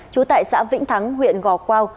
trú tại xã vĩnh thắng huyện gò quao